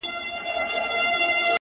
د دې وطن د هر يو گل سره کي بد کړې وي.